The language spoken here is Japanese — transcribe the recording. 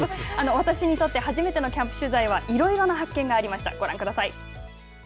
私にとって初めてのキャンプ取材はいろいろな発見がありました。